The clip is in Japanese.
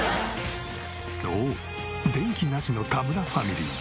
そう電気なしの田村ファミリー。